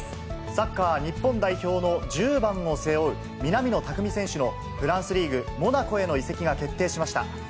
サッカー日本代表の１０番を背負う、南野拓実選手のフランスリーグ・モナコへの移籍が決定しました。